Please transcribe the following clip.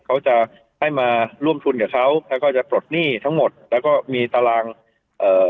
เขาจะให้มาร่วมทุนกับเขาแล้วก็จะปลดหนี้ทั้งหมดแล้วก็มีตารางเอ่อ